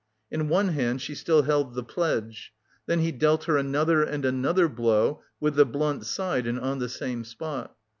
In one hand she still held "the pledge." Then he dealt her another and another blow with the blunt side and on the same spot.